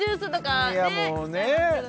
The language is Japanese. いやもうね。